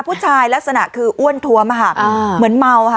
ผู้ชายลักษณะคืออ้วนท้วมเหมือนเมาค์ค่ะ